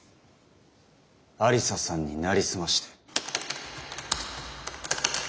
愛理沙さんに成り済まして。